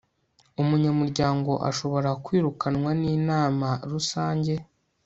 umunyamuryango ashobora kwirukanwa n'inama rusange